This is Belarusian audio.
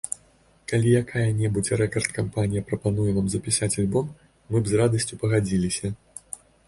Калі якая-небудзь рэкард-кампанія прапануе нам запісаць альбом, мы б з радасцю пагадзіліся.